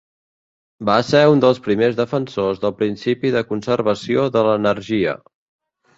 Va ser un dels primers defensors del principi de conservació de l'energia.